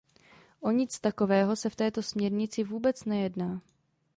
O nic takového se v této směrnici vůbec nejedná.